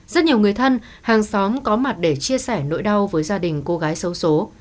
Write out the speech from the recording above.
rất nhiều người thân hàng xóm có mặt để chia sẻ nỗi đau với gia đình cô gái xấu xố